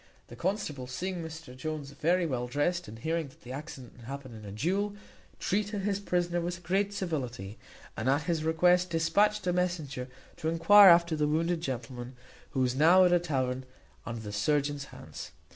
The constable, seeing Mr Jones very well drest, and hearing that the accident had happened in a duel, treated his prisoner with great civility, and at his request dispatched a messenger to enquire after the wounded gentleman, who was now at a tavern under the surgeon's hands.